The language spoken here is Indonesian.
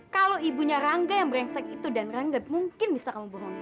kalau ibunya rangga yang brengsek itu dan rangga mungkin bisa kamu bohongi